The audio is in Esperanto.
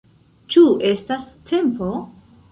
Ĉu estas tempo?